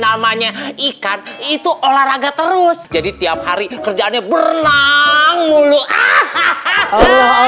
namanya ikan itu olahraga terus jadi tiap hari kerjaannya hai poreng mulu whoo